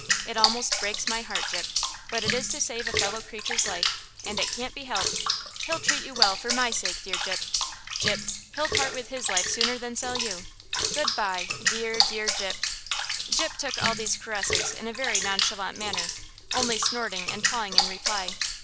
It almost breaks my heart, Gyp, but it is to save a fellow creature's life, and it can't be helped! He'll treat you well, for my sake, dear Gyp. Gyp, he'll part with his life sooner than sell you! Good by, dear, dear Gyp." Gyp took all these caresses in a very nonchalant manner, only snorting and pawing in reply.